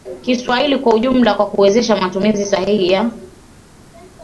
Kiswahili kwa ujumla kwa kuwawezesha matumizi sahihi ya